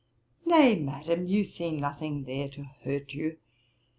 'Nay, Madam, you see nothing there to hurt you.